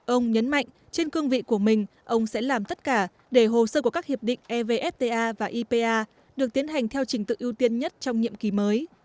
ông nhấn mạnh trên cương vị của mình ông sẽ làm tất cả để hồ sơ của các hiệp định evfta và ipa được tiến hành theo trình tự ưu tiên nhất trong nhiệm kỳ mới